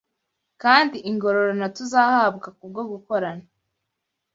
kandi ingororano tuzahabwa kubwo gukorana